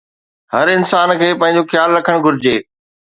هر انسان کي پنهنجو خيال رکڻ گهرجي